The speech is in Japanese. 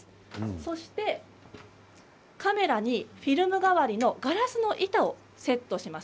そしてカメラにフィルム代わりのガラスの板をセットします。